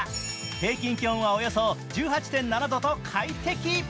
平均気温はおよそ１８．７度と快適。